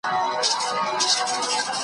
د نېزو پر سر، سرونه .